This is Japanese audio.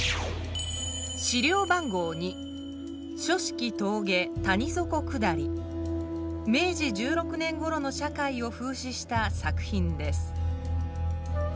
資料番号２明治１６年ごろの社会を風刺した作品です。